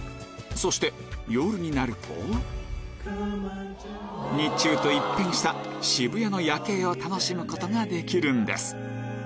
そして夜になると日中と一変した渋谷の夜景を楽しむことができるんです